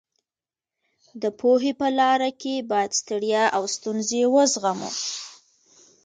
د پوهې په لاره کې باید ستړیا او ستونزې وزغمو.